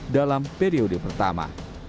dalam periode pertama